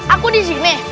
aku di sini